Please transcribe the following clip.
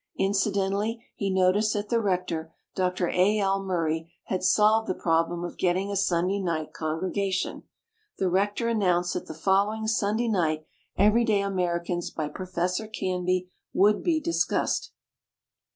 IncidentaUy he noticed that the rector, Dr. A. L. Murray, had solved the problem of getting a Sunday night congrega tion. The rector announced that the follow ing Sunday night "Everyday Americans" by Professor Canby would be discussed.